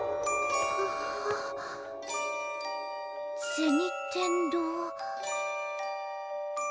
銭天堂。